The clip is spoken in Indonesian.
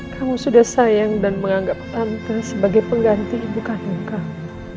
kamu sudah sayang dan menganggap tante sebagai pengganti ibu kandung kamu